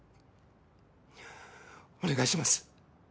お願いします。